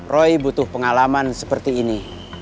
roy butuh pengalaman seperti ini